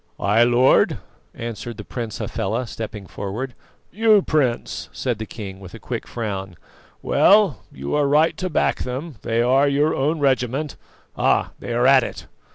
"I, Lord," answered the Prince Hafela, stepping forward. "You, Prince!" said the king with a quick frown. "Well, you are right to back them, they are your own regiment. Ah! they are at it."